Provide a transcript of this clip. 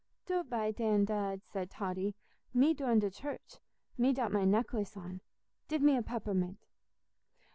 "Dood bye, Dandad," said Totty. "Me doin' to church. Me dot my neklace on. Dive me a peppermint."